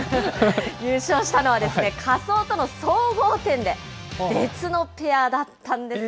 優勝したのは、仮装との総合点で、別のペアだったんですね。